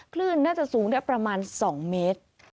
คลื่นน่าจะสูงได้ประมาณ๒เมตร